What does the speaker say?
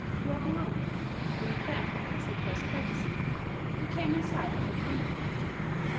Walking on, having thanked the peasant for his courtesy, they came in sight of a convent.